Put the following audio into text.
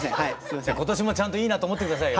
今年もちゃんといいなと思って下さいよ。